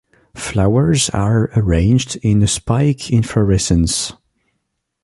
Flowers are arranged in a spiked inflorescence.